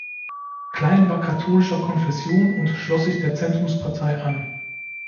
Klein war katholischer Konfession und schloss sich der Zentrumspartei an.